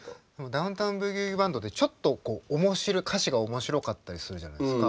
ダウン・タウン・ブギウギ・バンドってちょっと歌詞が面白かったりするじゃないですか。